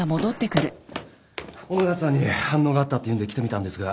小野田さんに反応があったっていうんで来てみたんですが。